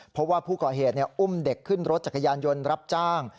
เพราะว่าผู้ก่อเหตุอุ้มเด็กขึ้นรถจักรยานยนต์รับจ้าง